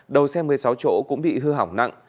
đầu xe một mươi sáu chỗ cũng bị hư hỏng nặng